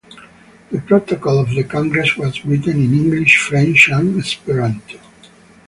The protocol of the congress was written in English, French and Esperanto.